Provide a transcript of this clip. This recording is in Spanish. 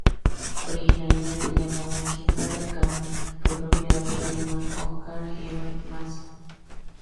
Originalmente llamada "Quinta del Carmen", fue propiedad del alemán Oscar Heeren Massa.